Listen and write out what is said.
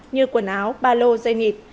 như quần áo ba lô dây nhịt